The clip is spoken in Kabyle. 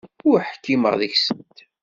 Ur ḥkimeɣ deg-sent.